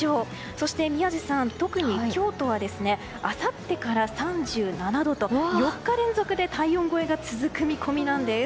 そして宮司さん、特に京都はあさってから３７度と４日連続で体温超えが続く見込みなんです。